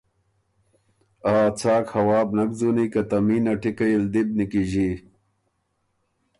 آ څاک هوا بُو نک ځُونی که ته مینه ټِکئ ل دی بو نیکیݫی